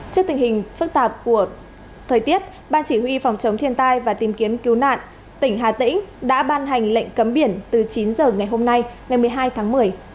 trước tình hình phức tạp của thời tiết ban chỉ huy phòng chống thiên tai và tìm kiếm cứu nạn tỉnh hà tĩnh đã ban hành lệnh cấm biển từ chín giờ ngày hôm nay ngày một mươi hai tháng một mươi